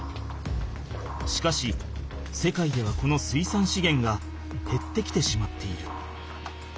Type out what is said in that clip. しかし世界ではこの水産資源がへってきてしまっている。